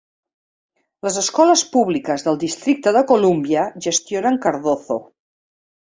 Les escoles públiques del Districte de Columbia gestionen Cardozo.